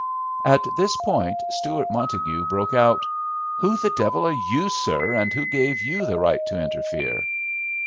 At this point Stewart Montague broke out. "Who the devil are you, sir, and who gave you the right to interfere?"